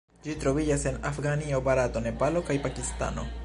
Ĝi troviĝas en Afganio, Barato, Nepalo kaj Pakistano.